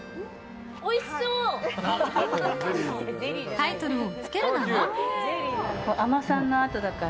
タイトルをつけるなら？